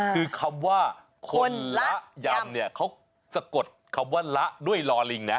คือคำว่าคนละยำเนี่ยเขาสะกดคำว่าละด้วยลอลิงนะ